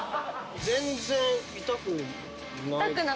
全然痛くない。